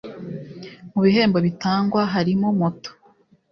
Mu bihembo bitangwa harimo moto